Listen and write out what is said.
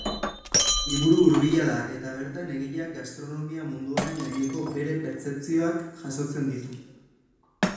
Liburu hurbila da eta bertan egileak gastronomia munduaren gaineko bere pertzepzioak jasotzen ditu.